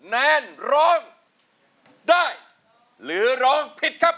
แนนร้องได้หรือร้องผิดครับ